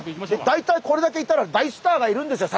大体これだけいたら大スターがいるんですよ